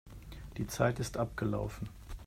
Die Zeit ist abgelaufen.